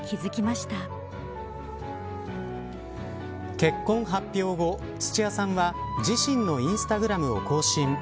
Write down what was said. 結婚発表後、土屋さんは自身のインスタグラムを更新。